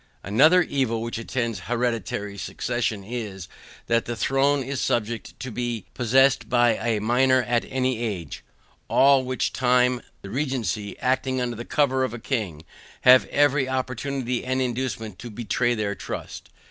Another evil which attends hereditary succession is, that the throne is subject to be possessed by a minor at any age; all which time the regency, acting under the cover of a king, have every opportunity and inducement to betray their trust.